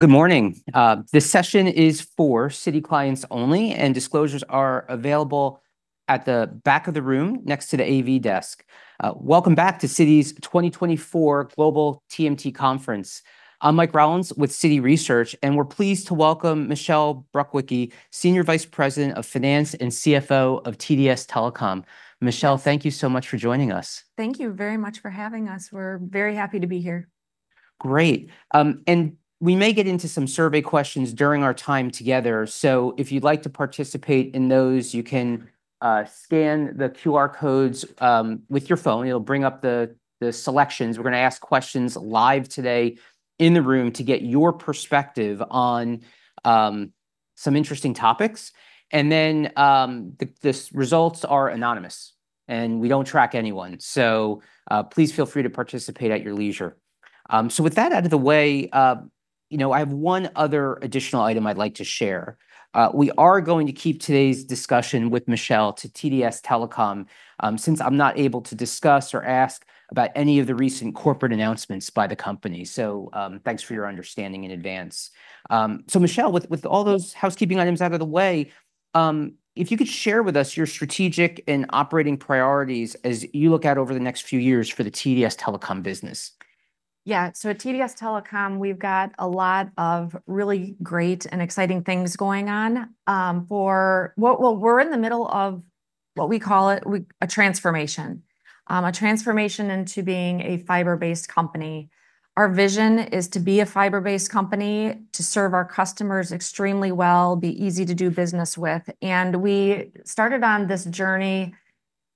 Good morning. This session is for Citi clients only, and disclosures are available at the back of the room, next to the AV desk. Welcome back to Citi's 2024 Global TMT Conference. I'm Mike Rollins with Citi Research, and we're pleased to welcome Michelle Brukwicki, Senior Vice President of Finance and CFO of TDS Telecom. Michelle, thank you so much for joining us. Thank you very much for having us. We're very happy to be here. Great, and we may get into some survey questions during our time together, so if you'd like to participate in those, you can, scan the QR codes, with your phone. It'll bring up the selections. We're gonna ask questions live today in the room to get your perspective on, some interesting topics, and then, the results are anonymous, and we don't track anyone. So, please feel free to participate at your leisure. So with that out of the way, you know, I have one other additional item I'd like to share. We are going to keep today's discussion with Michelle to TDS Telecom, since I'm not able to discuss or ask about any of the recent corporate announcements by the company. So, thanks for your understanding in advance. So Michelle, with all those housekeeping items out of the way, if you could share with us your strategic and operating priorities as you look out over the next few years for the TDS Telecom business? Yeah, so at TDS Telecom, we've got a lot of really great and exciting things going on. We're in the middle of what we call a transformation into being a fiber-based company. Our vision is to be a fiber-based company, to serve our customers extremely well, be easy to do business with, and we started on this journey, you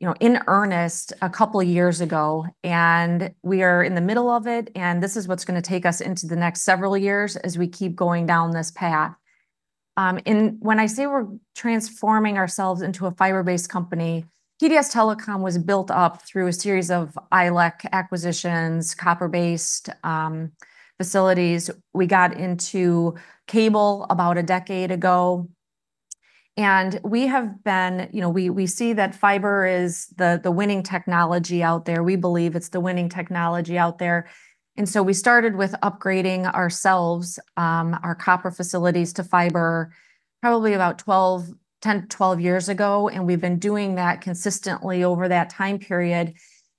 know, in earnest a couple of years ago, and we are in the middle of it, and this is what's gonna take us into the next several years as we keep going down this path. And when I say we're transforming ourselves into a fiber-based company, TDS Telecom was built up through a series of ILEC acquisitions, copper-based facilities. We got into cable about a decade ago, and we have been... You know, we see that fiber is the winning technology out there. We believe it's the winning technology out there, and so we started with upgrading ourselves, our copper facilities to fiber probably about ten to 12 years ago, and we've been doing that consistently over that time period.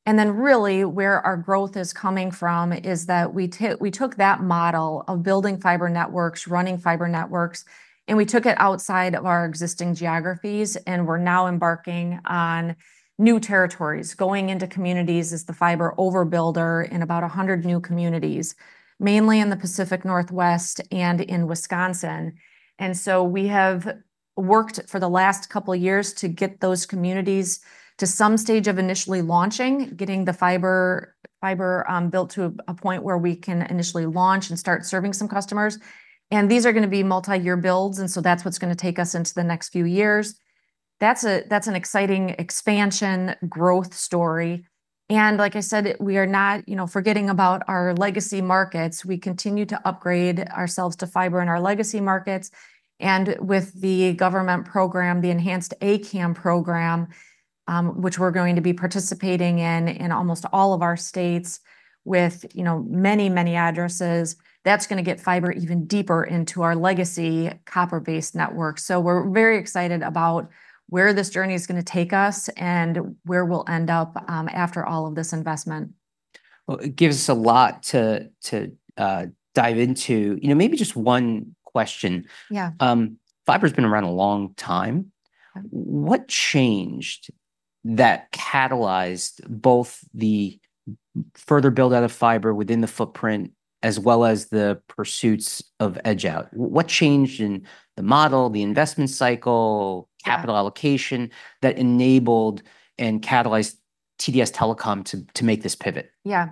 And then really, where our growth is coming from is that we took that model of building fiber networks, running fiber networks, and we took it outside of our existing geographies, and we're now embarking on new territories, going into communities as the fiber overbuilder in about 100 new communities, mainly in the Pacific Northwest and in Wisconsin. So we have worked for the last couple of years to get those communities to some stage of initially launching, getting the fiber built to a point where we can initially launch and start serving some customers, and these are gonna be multi-year builds, and so that's what's gonna take us into the next few years. That's an exciting expansion growth story, and like I said, we are not, you know, forgetting about our legacy markets. We continue to upgrade ourselves to fiber in our legacy markets, and with the government program, the Enhanced ACAM program, which we're going to be participating in in almost all of our states with, you know, many, many addresses, that's gonna get fiber even deeper into our legacy copper-based network. So we're very excited about where this journey is gonna take us and where we'll end up, after all of this investment. It gives us a lot to dive into. You know, maybe just one question. Yeah. Fiber's been around a long time. Yeah. What changed that catalyzed both the further build-out of fiber within the footprint, as well as the pursuits of edge-out? What changed in the model, the investment cycle- Yeah... capital allocation, that enabled and catalyzed TDS Telecom to make this pivot? Yeah.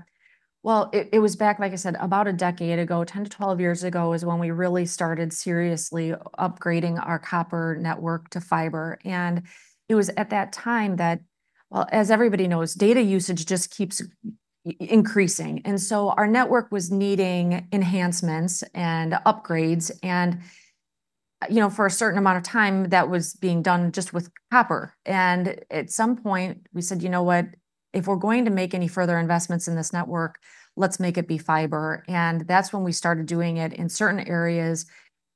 Well, it was back, like I said, about a decade ago. 10 to 12 years ago is when we really started seriously upgrading our copper network to fiber, and it was at that time that... Well, as everybody knows, data usage just keeps increasing, and so our network was needing enhancements and upgrades, and, you know, for a certain amount of time, that was being done just with copper. And at some point, we said, "You know what? If we're going to make any further investments in this network, let's make it be fiber." And that's when we started doing it in certain areas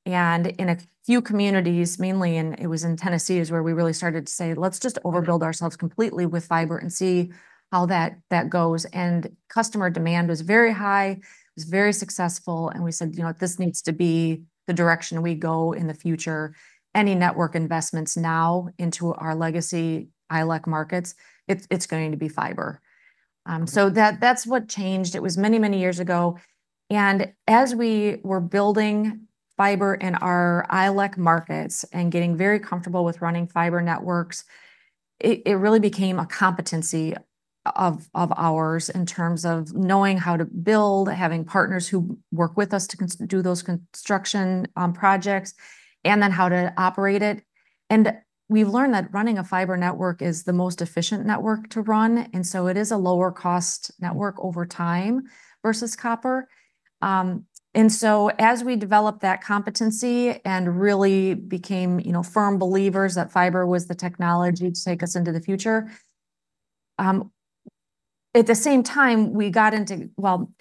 and in a few communities, mainly in, it was in Tennessee, is where we really started to say, "Let's just overbuild ourselves completely with fiber and see how that goes." And customer demand was very high. It was very successful, and we said, "You know, this needs to be the direction we go in the future. Any network investments now into our legacy ILEC markets, it's going to be fiber. Mm-hmm. So that's what changed. It was many, many years ago, and as we were building fiber in our ILEC markets and getting very comfortable with running fiber networks, it really became a competency of ours in terms of knowing how to build, having partners who work with us to do those construction projects, and then how to operate it, and we've learned that running a fiber network is the most efficient network to run, and so it is a lower-cost network over time versus copper, and so as we developed that competency and really became, you know, firm believers that fiber was the technology to take us into the future, at the same time, we got into, well,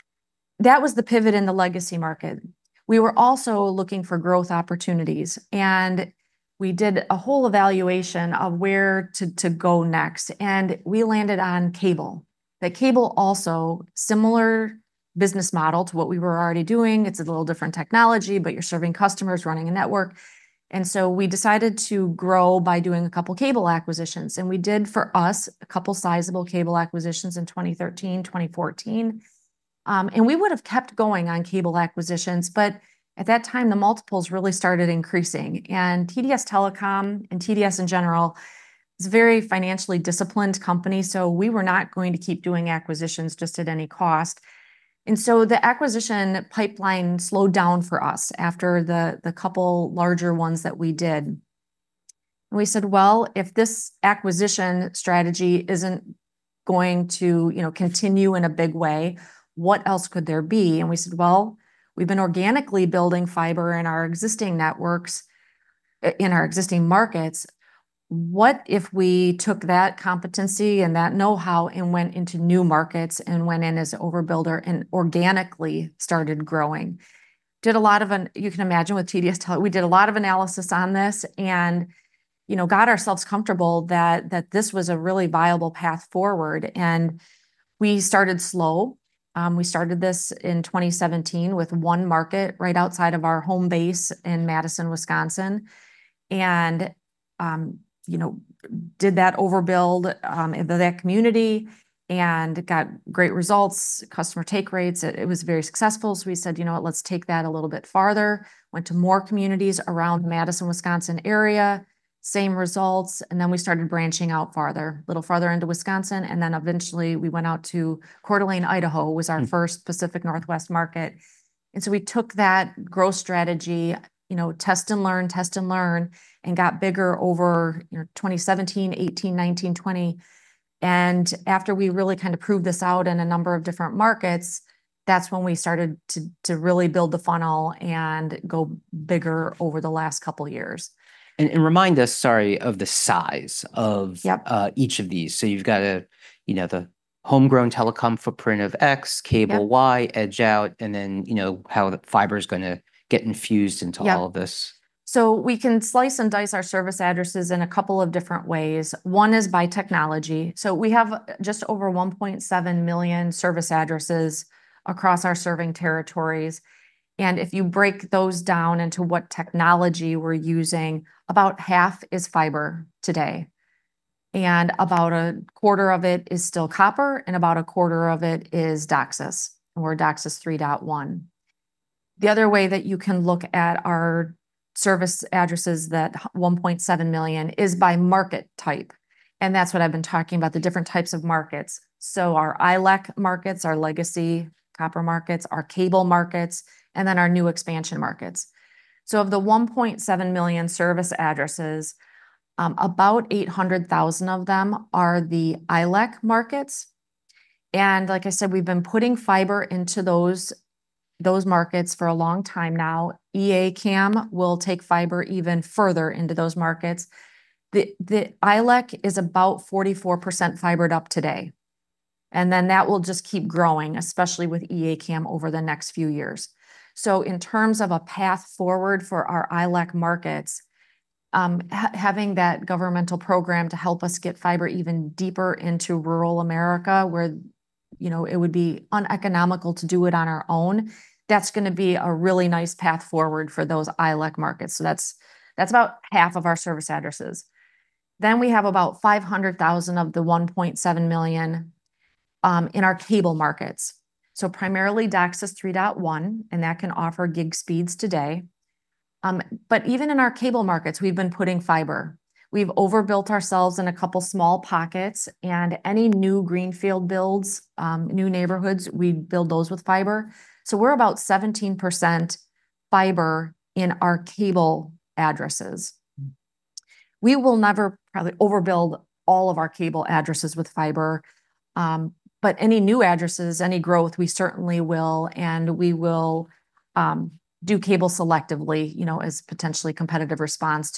that was the pivot in the legacy market. We were also looking for growth opportunities, and we did a whole evaluation of where to go next, and we landed on cable. But cable also, similar business model to what we were already doing. It's a little different technology, but you're serving customers, running a network. And so we decided to grow by doing a couple cable acquisitions, and we did, for us, a couple sizable cable acquisitions in 2013, 2014. And we would've kept going on cable acquisitions, but at that time, the multiples really started increasing. And TDS Telecom, and TDS in general, is a very financially disciplined company, so we were not going to keep doing acquisitions just at any cost. And so the acquisition pipeline slowed down for us after the couple larger ones that we did. And we said, "Well, if this acquisition strategy isn't going to, you know, continue in a big way, what else could there be?" And we said, "Well, we've been organically building fiber in our existing networks, in our existing markets. What if we took that competency and that know-how and went into new markets and went in as an overbuilder and organically started growing?" Did a lot of you can imagine with TDS Telecom we did a lot of analysis on this, and, you know, got ourselves comfortable that this was a really viable path forward. And we started slow. We started this in 2017 with one market right outside of our home base in Madison, Wisconsin. And, you know, did that overbuild into that community and got great results, customer take rates. It was very successful, so we said, "You know what? Let's take that a little bit farther." Went to more communities around Madison, Wisconsin area, same results, and then we started branching out farther, a little farther into Wisconsin, and then eventually we went out to Coeur d'Alene, Idaho, was our- Mm... first Pacific Northwest market. And so we took that growth strategy, you know, test and learn, test and learn, and got bigger over, you know, 2017, 2018, 2019, 2020. And after we really kind of proved this out in a number of different markets, that's when we started to really build the funnel and go bigger over the last couple years. Remind us, sorry, of the size of- Yep... each of these, so you've got a, you know, the homegrown telecom footprint of X- Yep... cable TV, edge-out, and then, you know, how the fiber's gonna get infused into all- Yep... of this. So we can slice and dice our service addresses in a couple of different ways. One is by technology. So we have just over 1.7 million service addresses across our serving territories, and if you break those down into what technology we're using, about half is fiber today, and about a quarter of it is still copper, and about a quarter of it is DOCSIS, or DOCSIS 3.1. The other way that you can look at our service addresses, that 1.7 million, is by market type, and that's what I've been talking about, the different types of markets. So our ILEC markets, our legacy copper markets, our cable markets, and then our new expansion markets. So of the 1.7 million service addresses, about 800,000 of them are the ILEC markets, and like I said, we've been putting fiber into those markets for a long time now. E-ACAM will take fiber even further into those markets. The ILEC is about 44% fibered up today, and then that will just keep growing, especially with Enhanced ACAM over the next few years. So in terms of a path forward for our ILEC markets, having that governmental program to help us get fiber even deeper into rural America, where, you know, it would be uneconomical to do it on our own, that's gonna be a really nice path forward for those ILEC markets. So that's about half of our service addresses. Then we have about 500,000 of the 1.7 million in our cable markets, so primarily DOCSIS 3.1, and that can offer gig speeds today. But even in our cable markets, we've been putting fiber. We've overbuilt ourselves in a couple small pockets, and any new greenfield builds, new neighborhoods, we build those with fiber, so we're about 17% fiber in our cable addresses. Mm. We will never probably overbuild all of our cable addresses with fiber, but any new addresses, any growth, we certainly will, and we will do cable selectively, you know, as potentially competitive response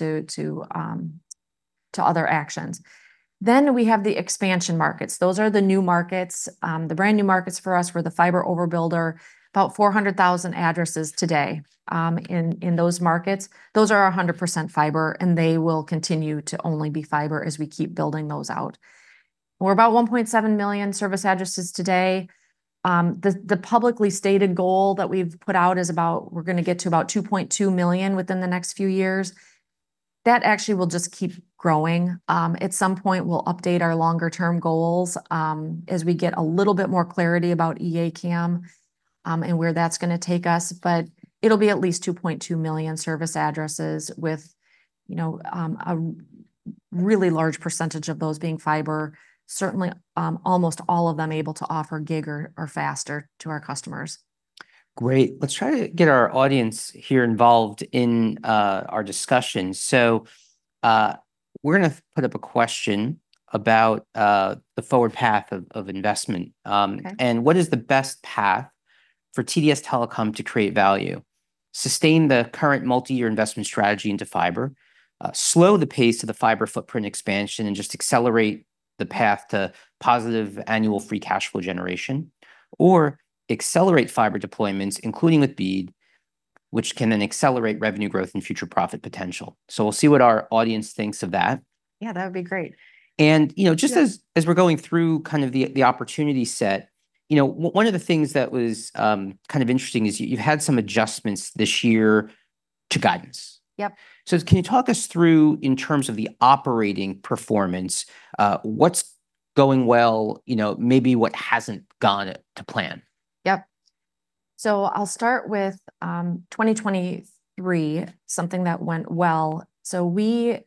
to other actions. Then we have the expansion markets. Those are the new markets, the brand-new markets for us. We're the fiber overbuilder, about 400,000 addresses today, in those markets. Those are 100% fiber, and they will continue to only be fiber as we keep building those out. We're about 1.7 million service addresses today. The publicly stated goal that we've put out is about we're gonna get to about 2.2 million within the next few years. That actually will just keep growing. At some point, we'll update our longer-term goals, as we get a little bit more clarity about Enhanced ACAM, and where that's gonna take us, but it'll be at least 2.2 million service addresses with, you know, a really large percentage of those being fiber, certainly, almost all of them able to offer gig or faster to our customers. Great. Let's try to get our audience here involved in our discussion. So, we're gonna put up a question about the forward path of investment. Okay... and what is the best path for TDS Telecom to create value?... sustain the current multi-year investment strategy into fiber, slow the pace of the fiber footprint expansion, and just accelerate the path to positive annual free cash flow generation, or accelerate fiber deployments, including with BEAD, which can then accelerate revenue growth and future profit potential. So we'll see what our audience thinks of that. Yeah, that would be great. You know- Yeah... just as we're going through kind of the opportunity set, you know, one of the things that was kind of interesting is you, you've had some adjustments this year to guidance. Yep. Can you talk us through, in terms of the operating performance, what's going well, you know, maybe what hasn't gone to plan? Yep. So I'll start with 2023, something that went well. So we,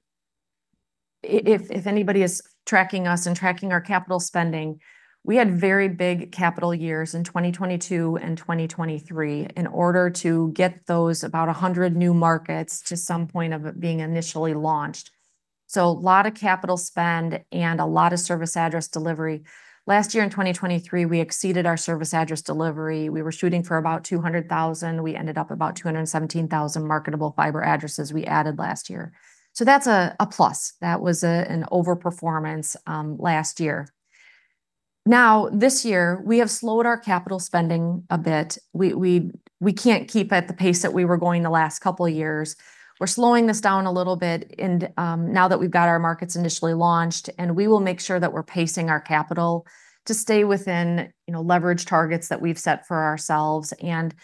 if anybody is tracking us and tracking our capital spending, we had very big capital years in 2022 and 2023 in order to get those about 100 new markets to some point of it being initially launched, so a lot of capital spend and a lot of service address delivery. Last year, in 2023, we exceeded our service address delivery. We were shooting for about 200,000. We ended up about 217,000 marketable fiber addresses we added last year. So that's a plus. That was an overperformance last year. Now, this year, we have slowed our capital spending a bit. We can't keep at the pace that we were going the last couple of years. We're slowing this down a little bit, now that we've got our markets initially launched, and we will make sure that we're pacing our capital to stay within, you know, leverage targets that we've set for ourselves and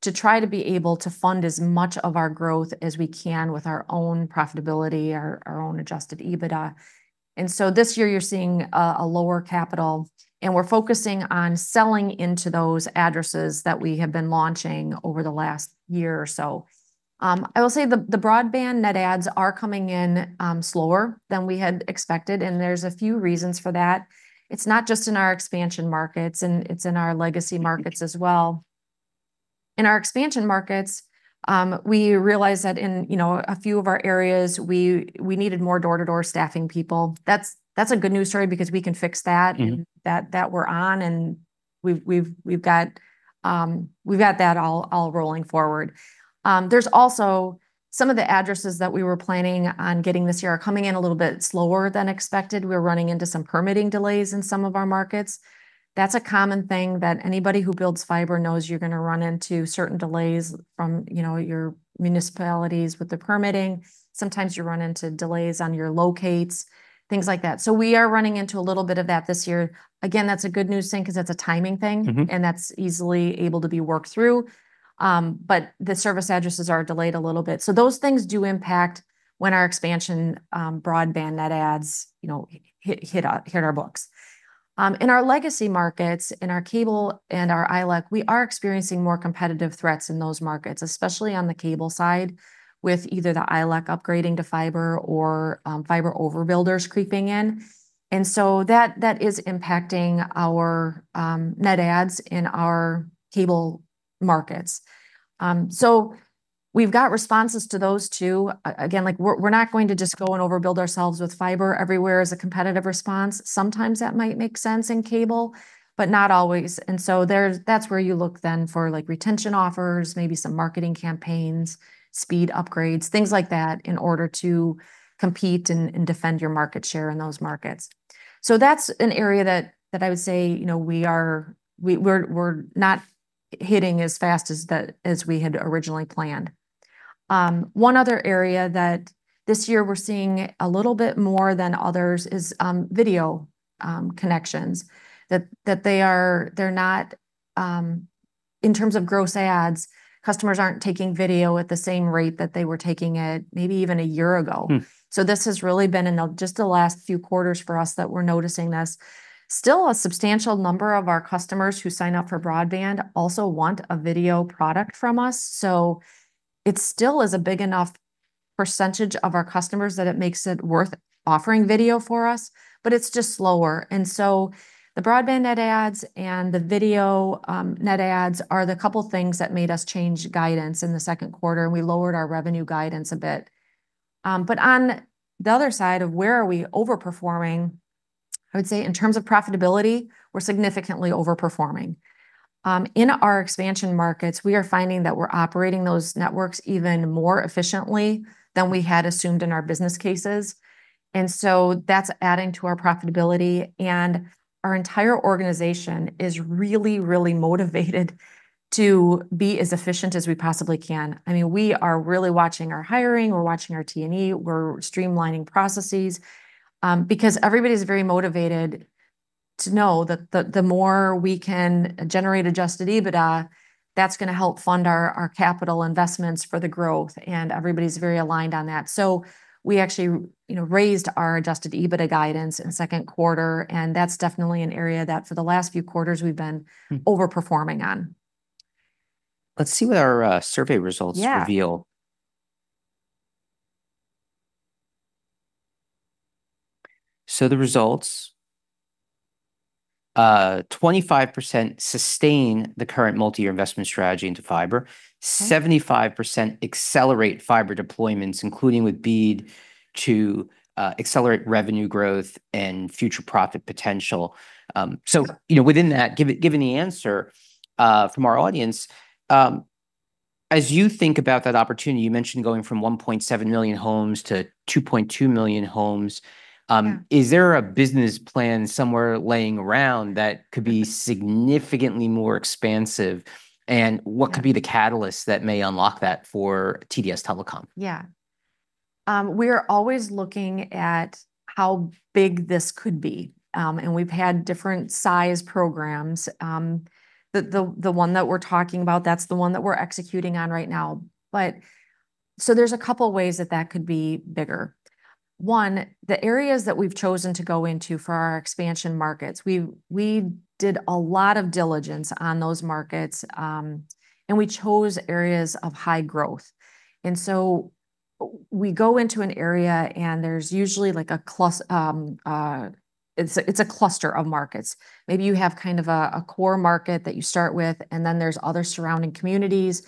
to try to be able to fund as much of our growth as we can with our own profitability, our own Adjusted EBITDA. And so this year, you're seeing a lower capital, and we're focusing on selling into those addresses that we have been launching over the last year or so. I will say the broadband net adds are coming in slower than we had expected, and there's a few reasons for that. It's not just in our expansion markets, and it's in our legacy markets as well. In our expansion markets, we realized that in, you know, a few of our areas, we needed more door-to-door staffing people. That's a good news story because we can fix that. Mm-hmm... and that we're on, and we've got that all rolling forward. There's also some of the addresses that we were planning on getting this year are coming in a little bit slower than expected. We're running into some permitting delays in some of our markets. That's a common thing that anybody who builds fiber knows you're gonna run into certain delays from, you know, your municipalities with the permitting. Sometimes you run into delays on your locates, things like that. So we are running into a little bit of that this year. Again, that's a good news thing 'cause that's a timing thing- Mm-hmm... and that's easily able to be worked through. But the service addresses are delayed a little bit. So those things do impact when our expansion broadband net adds, you know, hit our books. In our legacy markets, in our cable and our ILEC, we are experiencing more competitive threats in those markets, especially on the cable side, with either the ILEC upgrading to fiber or fiber overbuilders creeping in, and so that is impacting our net adds in our cable markets. So we've got responses to those, too. Again, like we're not going to just go and overbuild ourselves with fiber everywhere as a competitive response. Sometimes that might make sense in cable, but not always, and so there's, that's where you look then for, like, retention offers, maybe some marketing campaigns, speed upgrades, things like that, in order to compete and defend your market share in those markets. So that's an area that I would say, you know, we're not hitting as fast as we had originally planned. One other area that this year we're seeing a little bit more than others is video connections that they are. They're not, in terms of gross adds, customers aren't taking video at the same rate that they were taking it maybe even a year ago. Hmm. So this has really been in just the last few quarters for us that we're noticing this. Still a substantial number of our customers who sign up for broadband also want a video product from us, so it still is a big enough percentage of our customers that it makes it worth offering video for us, but it's just slower, and so the broadband net adds and the video net adds are the couple things that made us change guidance in the second quarter, and we lowered our revenue guidance a bit, but on the other side, where are we overperforming, I would say in terms of profitability, we're significantly overperforming. In our expansion markets, we are finding that we're operating those networks even more efficiently than we had assumed in our business cases, and so that's adding to our profitability, and our entire organization is really, really motivated to be as efficient as we possibly can. I mean, we are really watching our hiring, we're watching our T&E, we're streamlining processes, because everybody's very motivated to know that the more we can generate Adjusted EBITDA, that's gonna help fund our capital investments for the growth, and everybody's very aligned on that. So we actually, you know, raised our Adjusted EBITDA guidance in the second quarter, and that's definitely an area that, for the last few quarters, we've been- Hmm... overperforming on. Let's see what our survey results- Yeah ... reveal. So the results, 25% sustain the current multi-year investment strategy into fiber. Okay. 75% accelerate fiber deployments, including with BEAD, to accelerate revenue growth and future profit potential. So- Yeah... you know, within that, given the answer from our audience, as you think about that opportunity, you mentioned going from 1.7 million homes to 2.2 million homes. Is there a business plan somewhere laying around that could be significantly more expansive, and what could be the catalyst that may unlock that for TDS Telecom? Yeah. We're always looking at how big this could be. And we've had different size programs. The one that we're talking about, that's the one that we're executing on right now. But so there's a couple ways that that could be bigger. One, the areas that we've chosen to go into for our expansion markets, we did a lot of diligence on those markets, and we chose areas of high growth. And so we go into an area, and there's usually, like, a cluster of markets. Maybe you have kind of a core market that you start with, and then there's other surrounding communities,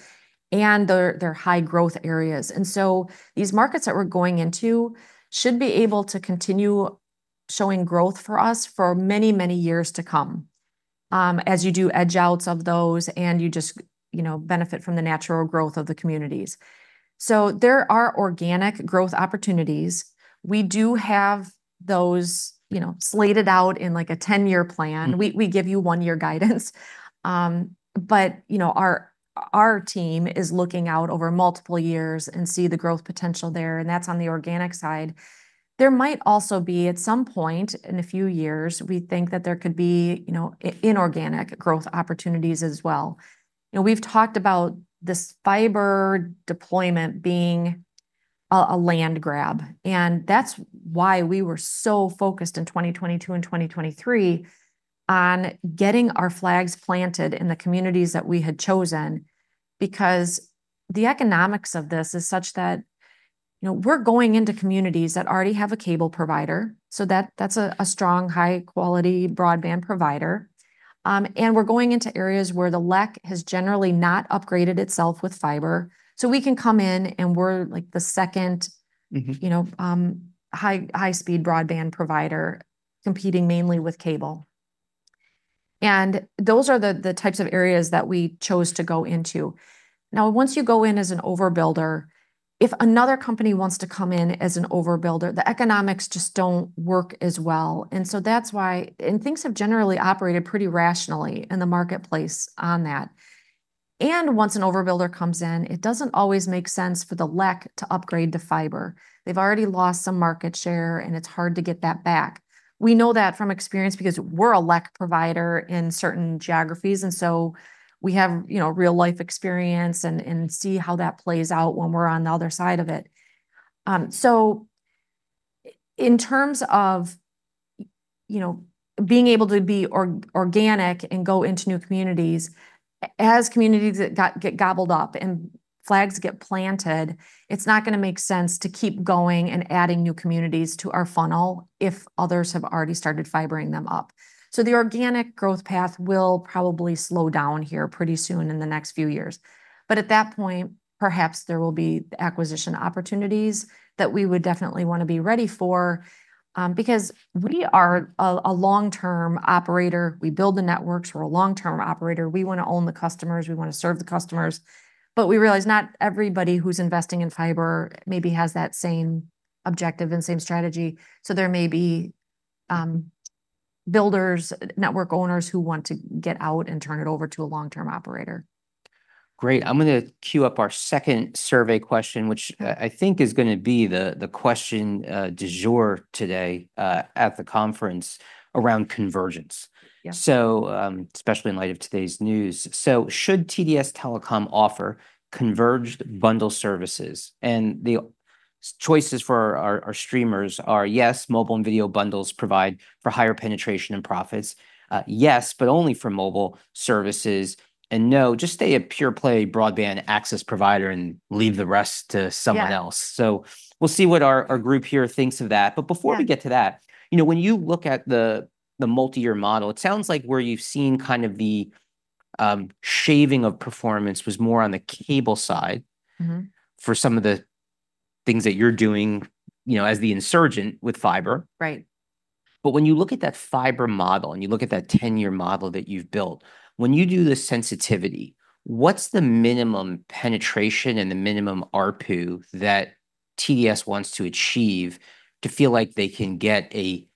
and they're high-growth areas. And so these markets that we're going into should be able to continue showing growth for us for many, many years to come, as you do edge-outs of those, and you just, you know, benefit from the natural growth of the communities. So there are organic growth opportunities. We do have those, you know, slated out in, like, a 10-year plan. Mm-hmm. We give you one-year guidance, but, you know, our team is looking out over multiple years and see the growth potential there, and that's on the organic side. There might also be, at some point in a few years, we think that there could be, you know, inorganic growth opportunities as well. You know, we've talked about this fiber deployment being a land grab, and that's why we were so focused in 2022 and 2023 on getting our flags planted in the communities that we had chosen. Because the economics of this is such that, you know, we're going into communities that already have a cable provider, so that's a strong, high-quality broadband provider, and we're going into areas where the LEC has generally not upgraded itself with fiber. So we can come in, and we're, like, the second- Mm-hmm... you know, high-speed broadband provider, competing mainly with cable. And those are the types of areas that we chose to go into. Now, once you go in as an overbuilder, if another company wants to come in as an overbuilder, the economics just don't work as well, and so that's why... And things have generally operated pretty rationally in the marketplace on that. And once an overbuilder comes in, it doesn't always make sense for the LEC to upgrade to fiber. They've already lost some market share, and it's hard to get that back. We know that from experience because we're a LEC provider in certain geographies, and so we have, you know, real-life experience and see how that plays out when we're on the other side of it. So, in terms of, you know, being able to be organic and go into new communities, as communities that get gobbled up and flags get planted, it's not gonna make sense to keep going and adding new communities to our funnel if others have already started fibering them up. So the organic growth path will probably slow down here pretty soon in the next few years. But at that point, perhaps there will be acquisition opportunities that we would definitely wanna be ready for, because we are a long-term operator. We build the networks. We're a long-term operator. We wanna own the customers, we wanna serve the customers, but we realize not everybody who's investing in fiber maybe has that same objective and same strategy. So there may be builders, network owners who want to get out and turn it over to a long-term operator. Great. I'm gonna queue up our second survey question, which, I think is gonna be the question du jour today, at the conference around convergence. Yeah. Especially in light of today's news. Should TDS Telecom offer converged bundle services? The choices for our streamers are: Yes, mobile and video bundles provide for higher penetration and profits. Yes, but only for mobile services. No, just stay a pure-play broadband access provider and leave the rest to someone else. Yeah. So we'll see what our group here thinks of that. Yeah. But before we get to that, you know, when you look at the multi-year model, it sounds like where you've seen kind of the shaving of performance was more on the cable side- Mm-hmm... for some of the things that you're doing, you know, as the insurgent with fiber. Right. But when you look at that fiber model, and you look at that 10-year model that you've built, when you do the sensitivity, what's the minimum penetration and the minimum ARPU that TDS wants to achieve to feel like they can get a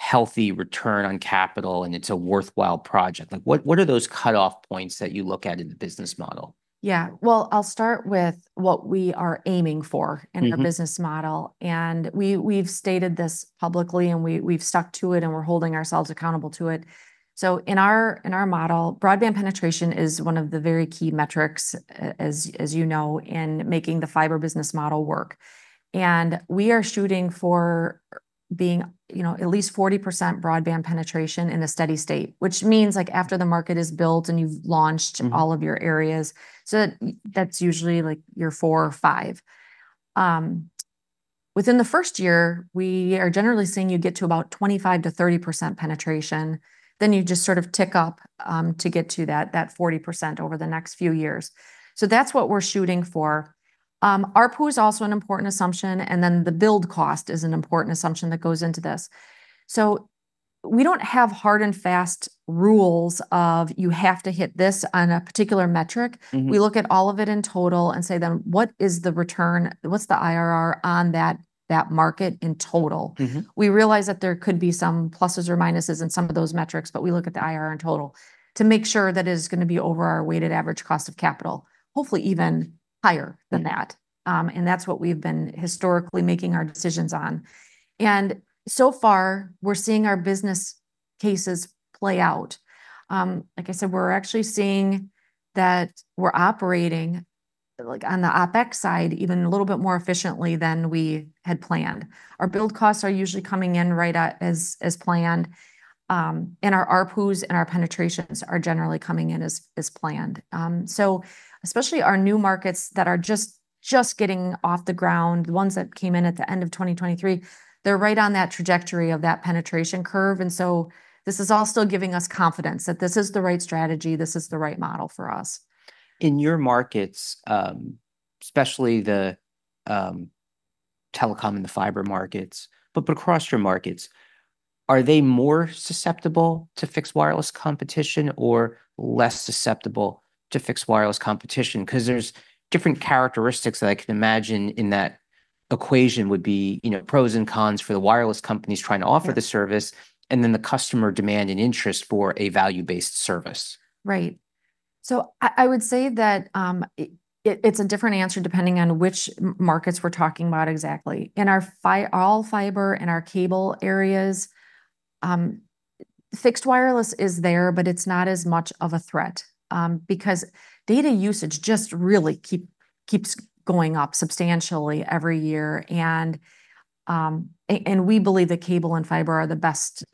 healthy return on capital, and it's a worthwhile project? Like, what, what are those cutoff points that you look at in the business model? Yeah, well, I'll start with what we are aiming for. Mm-hmm... in the business model, and we've stated this publicly, and we've stuck to it, and we're holding ourselves accountable to it. So in our model, broadband penetration is one of the very key metrics, as you know, in making the fiber business model work. And we are shooting for being, you know, at least 40% broadband penetration in a steady state, which means, like, after the market is built, and you've launched- Mm... all of your areas, so that's usually, like, year four or five. Within the first year, we are generally seeing you get to about 25%-30% penetration. Then you just sort of tick up to get to that 40% over the next few years. So that's what we're shooting for. ARPU is also an important assumption, and then the build cost is an important assumption that goes into this. We don't have hard and fast rules of you have to hit this on a particular metric. Mm-hmm. We look at all of it in total and say, then, what is the return? What's the IRR on that, that market in total? Mm-hmm. We realize that there could be some pluses or minuses in some of those metrics, but we look at the IRR in total to make sure that it is gonna be over our weighted average cost of capital, hopefully even higher than that. Mm. And that's what we've been historically making our decisions on. And so far, we're seeing our business cases play out. Like I said, we're actually seeing that we're operating, like, on the OpEx side, even a little bit more efficiently than we had planned. Our build costs are usually coming in right as planned. And our ARPUs and our penetrations are generally coming in as planned. So especially our new markets that are just getting off the ground, the ones that came in at the end of 2023, they're right on that trajectory of that penetration curve, and so this is all still giving us confidence that this is the right strategy, this is the right model for us. In your markets, especially the telecom and the fiber markets, but across your markets, are they more susceptible to fixed wireless competition or less susceptible to fixed wireless competition? 'Cause there's different characteristics that I can imagine in that equation would be, you know, pros and cons for the wireless companies trying to offer- Yeah... the service, and then the customer demand and interest for a value-based service. Right. So I would say that it's a different answer depending on which markets we're talking about exactly. In our all fiber and our cable areas, fixed wireless is there, but it's not as much of a threat, because data usage just really keeps going up substantially every year. And we believe that cable and fiber are the best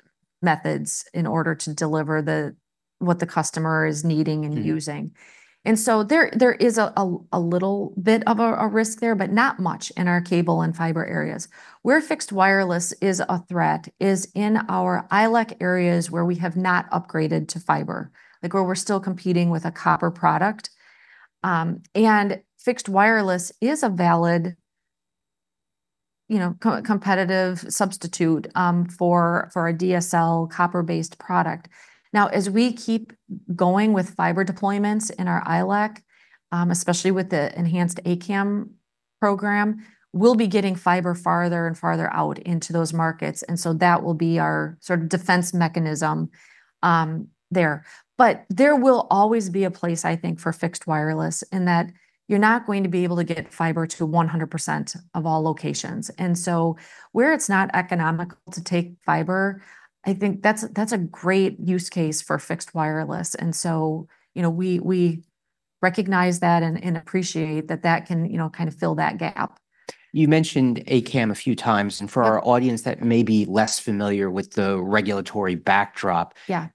methods in order to deliver the what the customer is needing and using. Mm-hmm. And so there is a little bit of a risk there, but not much in our cable and fiber areas. Where fixed wireless is a threat is in our ILEC areas where we have not upgraded to fiber, like where we're still competing with a copper product. And fixed wireless is a valid, you know, co-competitive substitute, for our DSL copper-based product. Now, as we keep going with fiber deployments in our ILEC, especially with the Enhanced ACAM program, we'll be getting fiber farther and farther out into those markets, and so that will be our sort of defense mechanism, there. But there will always be a place, I think, for fixed wireless, in that you're not going to be able to get fiber to 100% of all locations. Where it's not economical to take fiber, I think that's a great use case for fixed wireless. You know, we recognize that and appreciate that that can, you know, kind of fill that gap. You mentioned ACAM a few times. Yep. For our audience that may be less familiar with the regulatory backdrop. Yeah...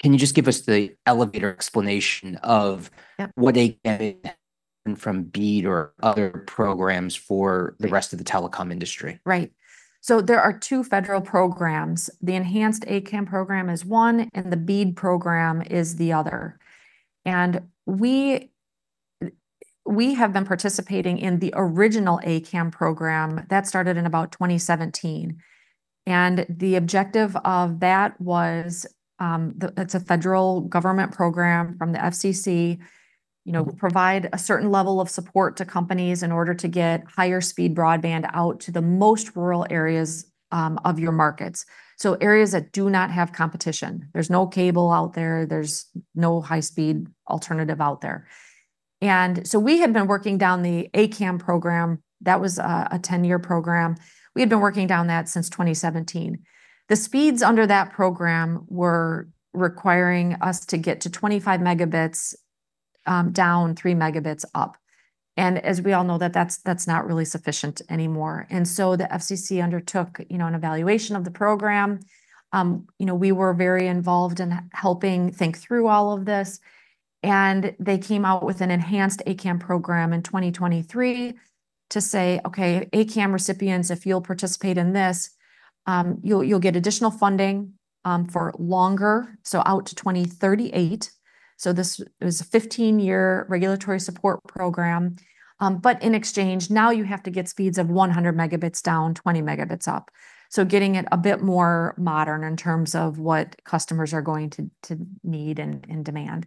can you just give us the elevator explanation of- Yep... what ACAM from BEAD or other programs for- Right... the rest of the telecom industry? Right, so there are two federal programs. The Enhanced ACAM program is one, and the BEAD program is the other, and we have been participating in the original ACAM program. That started in about 2017, and the objective of that was. It's a federal government program from the FCC, you know, provide a certain level of support to companies in order to get higher-speed broadband out to the most rural areas of your markets, so areas that do not have competition. There's no cable out there. There's no high-speed alternative out there, and so we had been working down the ACAM program. That was a 10-year program. We had been working down that since 2017. The speeds under that program were requiring us to get to 25 megabits down, three megabits up, and as we all know, that's not really sufficient anymore. And so the FCC undertook, you know, an evaluation of the program. You know, we were very involved in helping think through all of this, and they came out with an enhanced ACAM program in 2023 to say, "Okay, ACAM recipients, if you'll participate in this, you'll get additional funding for longer, so out to 2038." So this is a 15-year regulatory support program, but in exchange, now you have to get speeds of 100 megabits down, 20 megabits up, so getting it a bit more modern in terms of what customers are going to need and demand.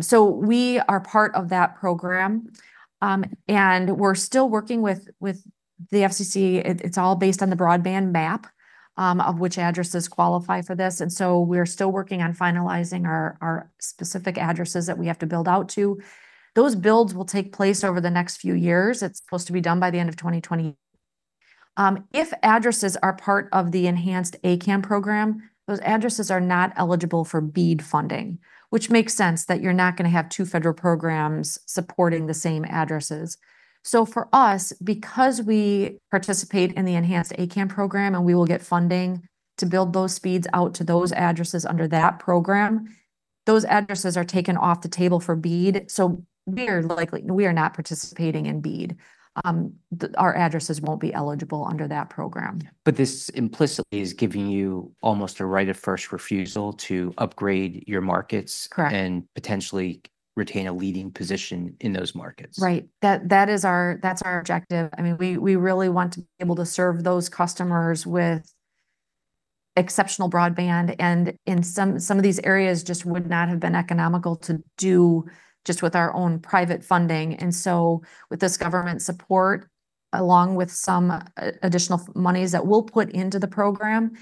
So we are part of that program, and we're still working with the FCC. It's all based on the broadband map of which addresses qualify for this, and so we're still working on finalizing our specific addresses that we have to build out to. Those builds will take place over the next few years. It's supposed to be done by the end of 2020. If addresses are part of the enhanced ACAM program, those addresses are not eligible for BEAD funding, which makes sense that you're not gonna have two federal programs supporting the same addresses. So for us, because we participate in the enhanced ACAM program, and we will get funding to build those speeds out to those addresses under that program, those addresses are taken off the table for BEAD, so we are likely- we are not participating in BEAD. Our addresses won't be eligible under that program. But this implicitly is giving you almost a right of first refusal to upgrade your markets- Correct... and potentially retain a leading position in those markets. Right, that is our objective. I mean, we really want to be able to serve those customers with exceptional broadband, and in some of these areas just would not have been economical to do just with our own private funding. And so with this government support, along with some additional monies that we'll put into the program,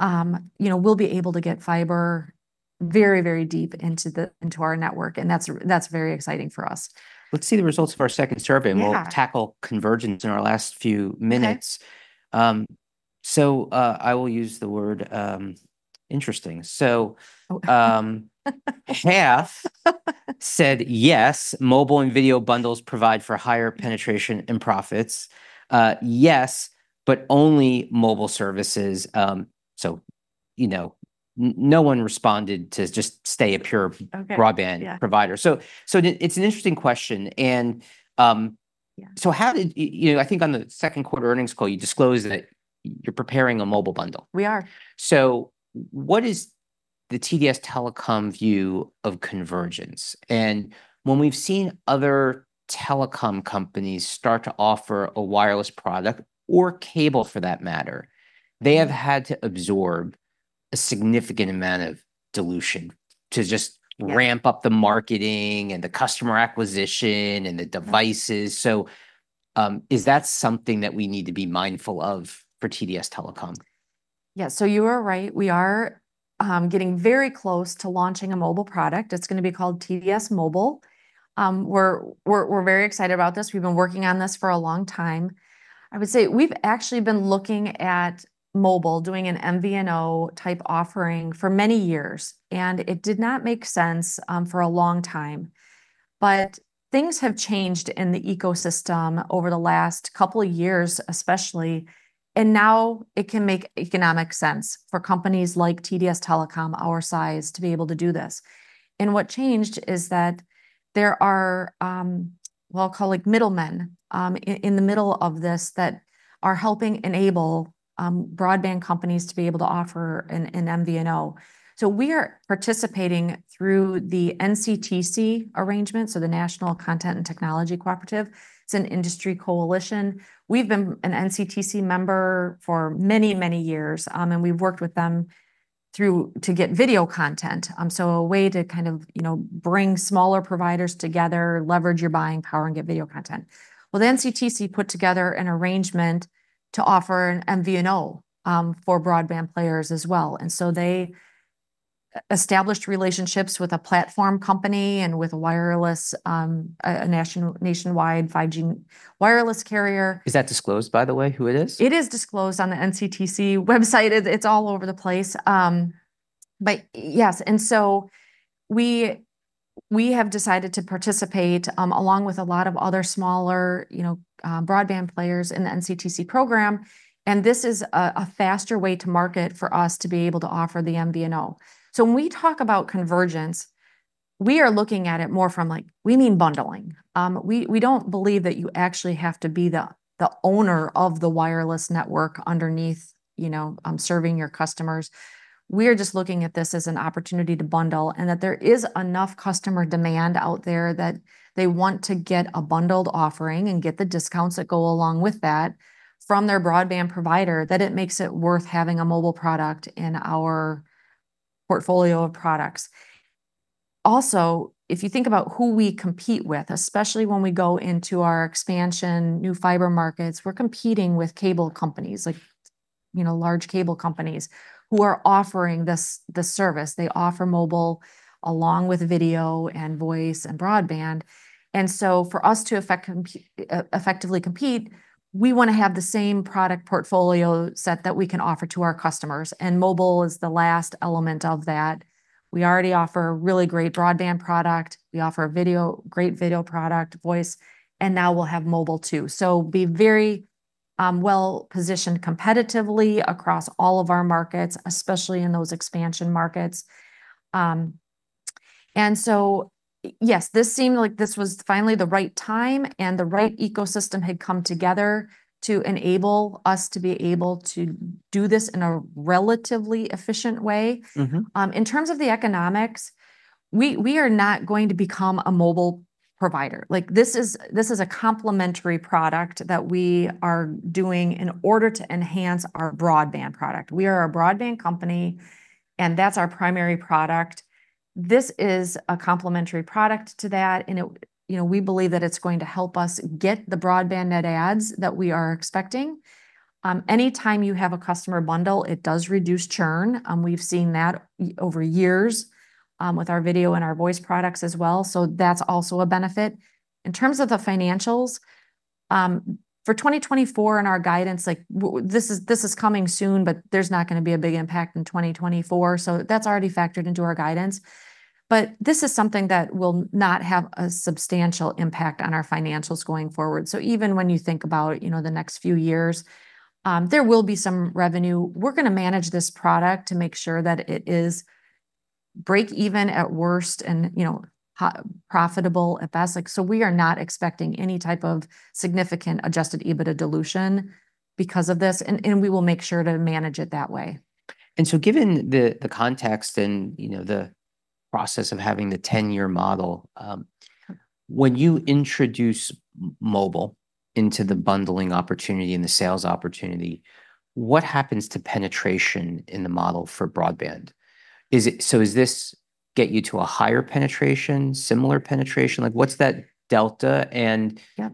you know, we'll be able to get fiber very, very deep into our network, and that's very exciting for us. Let's see the results of our second survey. Yeah... and we'll tackle convergence in our last few minutes. Okay. So, I will use the word interesting. So, half said, yes, mobile and video bundles provide for higher penetration and profits. Yes, but only mobile services. So, you know, no one responded to just stay a pure- Okay... broadband provider. Yeah. It's an interesting question, and Yeah... so how did you know, I think on the second quarter earnings call, you disclosed that you're preparing a mobile bundle. We are. What is the TDS Telecom view of convergence? When we've seen other telecom companies start to offer a wireless product, or cable for that matter, they have had to absorb a significant amount of dilution to just- Yeah... ramp up the marketing, and the customer acquisition, and the devices. So, is that something that we need to be mindful of for TDS Telecom? Yeah, so you are right. We are getting very close to launching a mobile product. It's gonna be called TDS Mobile. We're very excited about this. We've been working on this for a long time. I would say we've actually been looking at mobile, doing an MVNO-type offering, for many years, and it did not make sense for a long time. But things have changed in the ecosystem over the last couple of years, especially, and now it can make economic sense for companies like TDS Telecom, our size, to be able to do this. And what changed is that there are well, call it, like, middlemen in the middle of this that are helping enable broadband companies to be able to offer an MVNO. So we are participating through the NCTC arrangement, so the National Content and Technology Cooperative. It's an industry coalition. We've been an NCTC member for many, many years, and we've worked with them through to get video content, so a way to kind of, you know, bring smaller providers together, leverage your buying power, and get video content. The NCTC put together an arrangement to offer an MVNO for broadband players as well, and so they established relationships with a platform company and with a wireless, a nationwide 5G wireless carrier. Is that disclosed, by the way, who it is? It is disclosed on the NCTC website. It's all over the place, but yes, and so we have decided to participate along with a lot of other smaller, you know, broadband players in the NCTC program, and this is a faster way to market for us to be able to offer the MVNO, so when we talk about convergence, we are looking at it more from, like... We mean bundling. We don't believe that you actually have to be the owner of the wireless network underneath, you know, serving your customers. We are just looking at this as an opportunity to bundle, and that there is enough customer demand out there that they want to get a bundled offering and get the discounts that go along with that from their broadband provider, that it makes it worth having a mobile product in our portfolio of products. Also, if you think about who we compete with, especially when we go into our expansion, new fiber markets, we're competing with cable companies, like, you know, large cable companies, who are offering this service. They offer mobile along with video, and voice, and broadband, and so for us to effectively compete, we wanna have the same product portfolio set that we can offer to our customers, and mobile is the last element of that. We already offer a really great broadband product. We offer a video, great video product, voice, and now we'll have mobile, too. So be very well-positioned competitively across all of our markets, especially in those expansion markets. And so yes, this seemed like this was finally the right time, and the right ecosystem had come together to enable us to be able to do this in a relatively efficient way. Mm-hmm. In terms of the economics, we are not going to become a mobile provider. Like, this is a complementary product that we are doing in order to enhance our broadband product. We are a broadband company, and that's our primary product. This is a complementary product to that, and it, you know, we believe that it's going to help us get the broadband net adds that we are expecting. Any time you have a customer bundle, it does reduce churn. We've seen that over years with our video and our voice products as well, so that's also a benefit. In terms of the financials, for 2024 in our guidance, like this is coming soon, but there's not gonna be a big impact in 2024, so that's already factored into our guidance. But this is something that will not have a substantial impact on our financials going forward. So even when you think about, you know, the next few years, there will be some revenue. We're gonna manage this product to make sure that it is break even at worst and, you know, profitable at best. Like, so we are not expecting any type of significant Adjusted EBITDA dilution because of this, and, and we will make sure to manage it that way. And so given the context and, you know, the process of having the 10-year model, when you introduce mobile into the bundling opportunity and the sales opportunity, what happens to penetration in the model for broadband? Is it so does this get you to a higher penetration, similar penetration? Like, what's that delta, and- Yeah...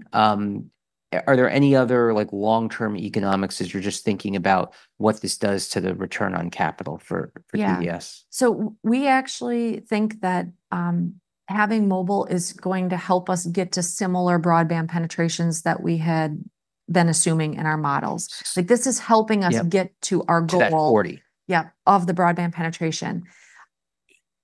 are there any other, like, long-term economics as you're just thinking about what this does to the return on capital for TDS? Yeah. So we actually think that, having mobile is going to help us get to similar broadband penetrations that we had been assuming in our models. Yes. Like, this is helping us- Yeah... get to our goal- To that 40. Yeah, of the broadband penetration.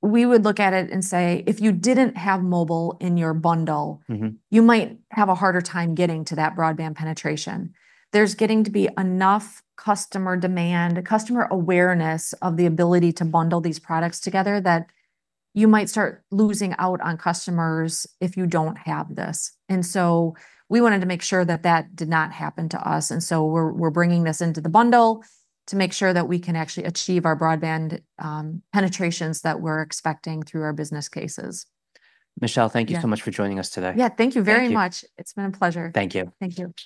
We would look at it and say, if you didn't have mobile in your bundle- Mm-hmm... you might have a harder time getting to that broadband penetration. There's getting to be enough customer demand, customer awareness of the ability to bundle these products together, that you might start losing out on customers if you don't have this. And so we wanted to make sure that that did not happen to us, and so we're bringing this into the bundle to make sure that we can actually achieve our broadband penetrations that we're expecting through our business cases. Michelle, thank you so much- Yeah... for joining us today. Yeah, thank you very much. Thank you. It's been a pleasure. Thank you. Thank you.